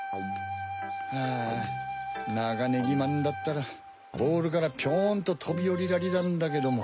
あぁナガネギマンだったらボールからピョンととびおりられたんだげども。